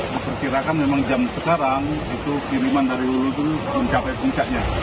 diperkirakan memang jam sekarang itu kiriman dari dulu itu mencapai puncaknya